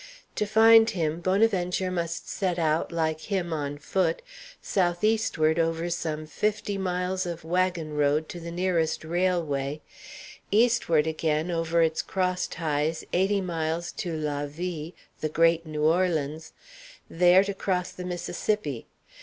To find him, Bonaventure must set out, like him on foot, south eastward over some fifty miles of wagon road to the nearest railway; eastward again over its cross ties eighty miles to la ville, the great New Orleans, there to cross the Mississippi.